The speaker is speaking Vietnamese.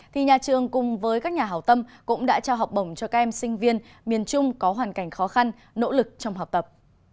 thì nhà trường cùng với các nhà hảo tâm cũng đã trao học bổng cho các em sinh viên miền trung có hoàn cảnh khó khăn nỗ lực trong học tập